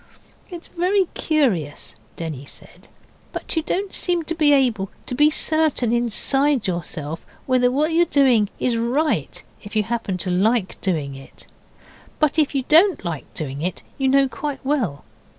'It's very curious,' Denny said, 'but you don't seem to be able to be certain inside yourself whether what you're doing is right if you happen to like doing it, but if you don't like doing it you know quite well.